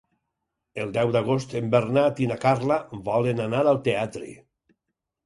El deu d'agost en Bernat i na Carla volen anar al teatre.